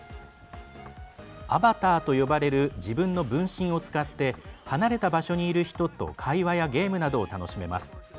アバターと呼ばれる自分の分身を使って離れた場所にいる人と会話やゲームなどを楽しめます。